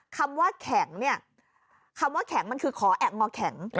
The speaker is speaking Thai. คำว่าแข็งเนี่ยคำว่าแข็งมันคือขอแอบงอแข็ง